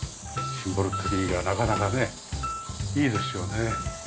シンボルツリーがなかなかねいいですよね。